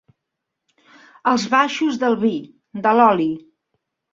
Els baixos del vi, de l'oli.